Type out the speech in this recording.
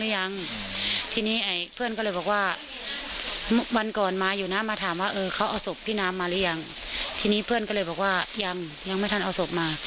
ทางนี้ตายเขาก็ฝั่นเสียใช่ไหมล่ะ